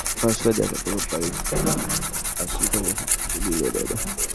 হামিদুজ্জামান ভাস্কর হিসেবে যখন ভাস্কর্যকে দেখেন, তখন পারিপার্শ্বিক পরিবেশের সঙ্গেও মিলিয়ে নেন।